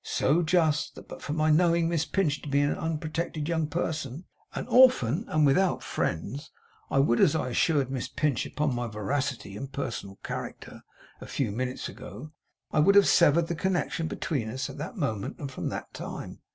'So just, that, but for my knowing Miss Pinch to be an unprotected young person, an orphan, and without friends, I would, as I assured Miss Pinch, upon my veracity and personal character, a few minutes ago, I would have severed the connection between us at that moment and from that time.